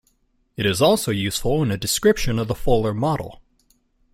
It is also useful in a description of the fuller model.